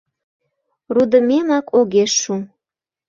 Рудымемак огеш шу.